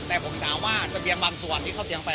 แต่ผมถามว่าเสบียงบางส่วนที่เขาเตรียมไป